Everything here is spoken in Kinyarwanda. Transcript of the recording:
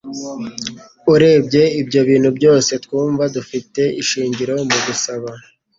Urebye ibyo bintu byose, twumva dufite ishingiro mu gusaba